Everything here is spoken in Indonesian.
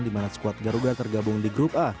di mana squad garuga tergabung di grup a